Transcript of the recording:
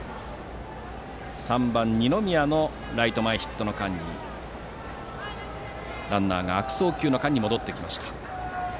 ３番の二宮のライト前ヒットの間にランナーが悪送球の間に戻ってきました。